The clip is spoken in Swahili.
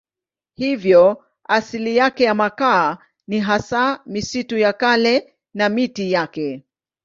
Hivyo asili ya makaa ni hasa misitu ya kale na miti yake.